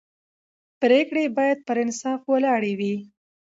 پرېکړې باید پر انصاف ولاړې وي